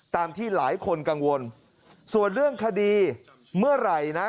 ตามที่หลายคนกังวลส่วนเรื่องคดีเมื่อไหร่นะ